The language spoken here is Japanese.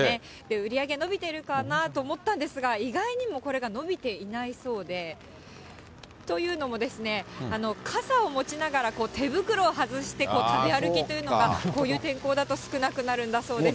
売り上げ伸びているかなと思ったんですが、意外にもこれが伸びていないそうで、というのも、傘を持ちながら、手袋を外して、食べ歩きというのがこういう天候だと少なくなるんだそうです。